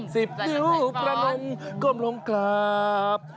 สิบนิ้วประนมก้มลงกราบ